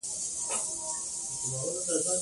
انګور د افغانانو د تفریح لپاره یوه ګټوره وسیله ده.